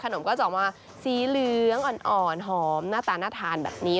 นมก็จะออกมาสีเหลืองอ่อนหอมหน้าตาน่าทานแบบนี้